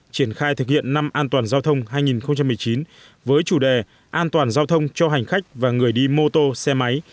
triển khai thực hiện năm an toàn giao thông hai nghìn một mươi chín với chủ đề an toàn giao thông cho hành khách và người đi mô tô xe máy